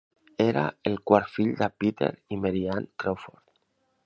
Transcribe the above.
Era el quart fill de Peter i Mary Ann Crawford.